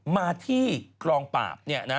มาที่กองปราบ